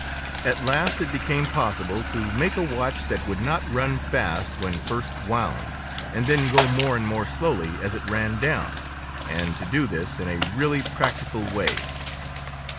At last it became possible to make a watch that would not run fast when first wound and then go more and more slowly as it ran down—and to do this in a really practical way.